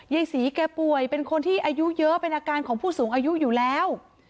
ยายศรีแกป่วยเป็นคนที่อายุเยอะเป็นอาการของผู้สูงอายุอยู่แล้ว